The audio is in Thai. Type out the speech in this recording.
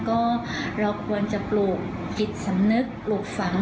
ก็เราควรจะปลูกจิตสำนึกปลูกฝัง